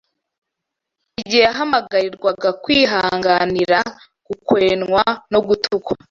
igihe yahamagarirwaga kwihanganira gukwenwa no gutukwa,